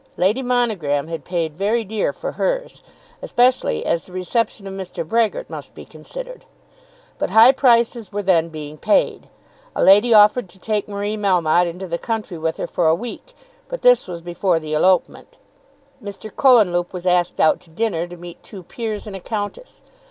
Lady Monogram had paid very dear for hers, especially as the reception of Mr. Brehgert must be considered. But high prices were then being paid. A lady offered to take Marie Melmotte into the country with her for a week; but this was before the elopement. Mr. Cohenlupe was asked out to dinner to meet two peers and a countess.